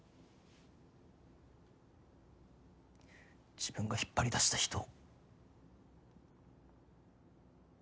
自分が引っ張り出した人を。